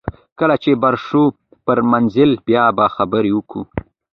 کله چې بر شو پر منزل بیا به خبرې کوو